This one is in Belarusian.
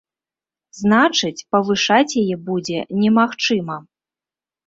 Значыць, павышаць яе будзе немагчыма.